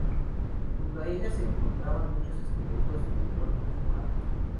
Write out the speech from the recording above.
Junto a ella se encontraban muchos esqueletos de olor perfumado.